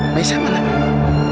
ma'am siapa lagi